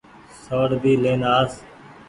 سوڙ ڀي لين آس۔